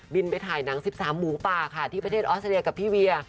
บินไปถ่ายหนังสิบสามหมูปลาค่ะที่ประเทศออสเตรียกับพี่เวีย